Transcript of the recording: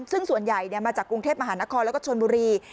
ซึ่งส่วนใหญ่มาจากกรุงเทพมหานครแล้วก็ชนบุรี